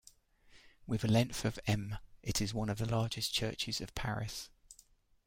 With a length of m. it is one of the largest churches of Paris.